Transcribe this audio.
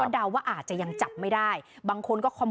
ก็พึ่นก็เข้าไปแกล็ดเลย